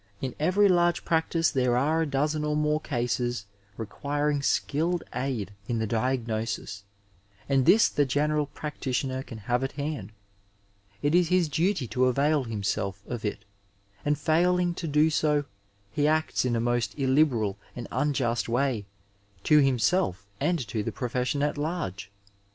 In every large practice there are a dozen or more cases requiring skilled aid in the diagnosis, and this the general practitioner can have at hand. It is his duty to avail himself of it, and failing to do so he acts in a most illiberal and unjust way to himself and to the profession at large.